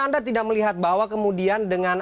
anda tidak melihat bahwa kemudian dengan